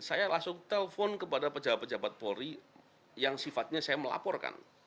saya langsung telpon kepada pejabat pejabat polri yang sifatnya saya melaporkan